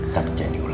tapi jangan diulang